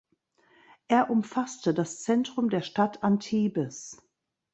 Er umfasste das Zentrum der Stadt Antibes.